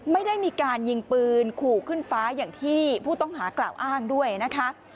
ไม่ได้มีการยิงปืนขู่ขึ้นฟ้าอย่างที่ผู้ต้องหากล่าวอ้างด้วยนะคะ